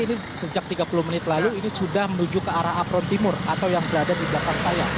ini sejak tiga puluh menit lalu ini sudah menuju ke arah apron timur atau yang berada di belakang saya